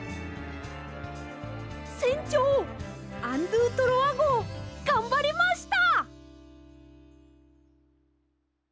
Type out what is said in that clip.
せんちょうアン・ドゥ・トロワごうがんばりました！